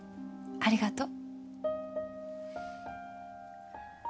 ありがとう